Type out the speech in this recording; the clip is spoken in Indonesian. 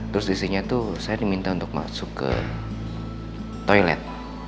terus isinya tuh saya diminta untuk masuk ke toilet